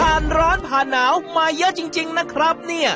ร้อนผ่านหนาวมาเยอะจริงนะครับเนี่ย